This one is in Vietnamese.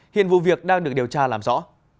hiện vụ việc đang được điều tra làm rõ